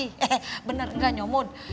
he bener enggak nyomud